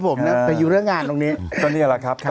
ผมเนี่ยไปอยู่เรื่องงานตรงนี้